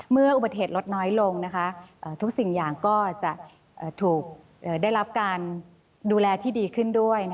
เมื่ออุบัติเหตุลดน้อยลงทุกสิ่งอย่างก็จะถูกได้รับการดูแลที่ดีขึ้นด้วย